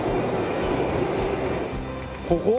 ここ？